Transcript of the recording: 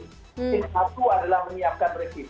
yang satu adalah menyiapkan revisi